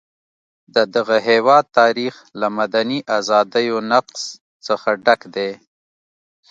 د دغه هېواد تاریخ له مدني ازادیو نقض څخه ډک دی.